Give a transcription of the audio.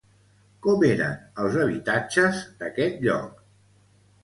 Com eren els habitatges d'aquest lloc?